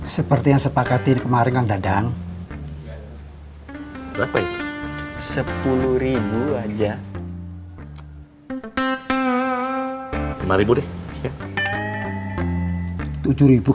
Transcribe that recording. seperti yang sepakatin kemarin kang dadang berapa itu rp sepuluh aja